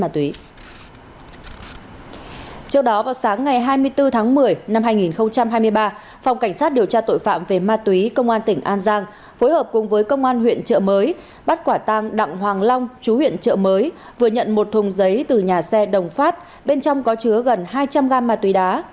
từ tháng một mươi năm hai nghìn hai mươi ba phòng cảnh sát điều tra tội phạm về ma túy công an tỉnh an giang phối hợp cùng với công an huyện trợ mới bắt quả tang đặng hoàng long chú huyện trợ mới vừa nhận một thùng giấy từ nhà xe đồng phát bên trong có chứa gần hai trăm linh gram ma túy đá